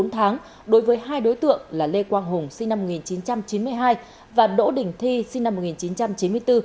bốn tháng đối với hai đối tượng là lê quang hùng sinh năm một nghìn chín trăm chín mươi hai và đỗ đình thi sinh năm một nghìn chín trăm chín mươi bốn